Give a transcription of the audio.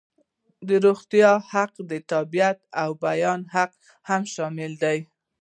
د روغتیا حق، د تابعیت او بیان حق هم شامل دي.